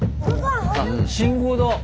あ信号だ。